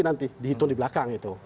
nanti dihitung di belakang itu